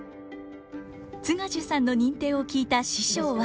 津賀寿さんの認定を聞いた師匠は。